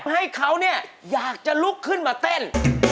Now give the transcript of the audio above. ให้เขาเนี่ยอยากจะลุกขึ้นมาเต้น